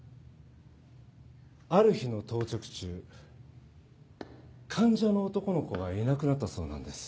ある日の当直中患者の男の子がいなくなったそうなんです。